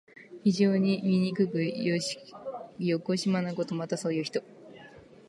非常にみにくくよこしまなこと。また、そういう人。